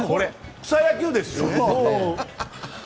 草野球ですよ！